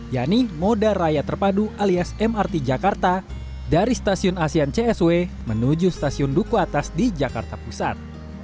yaitu moda raya terpadu alias mrt jakarta dari stasiun asean csw menuju stasiun duku atas di jakarta pusat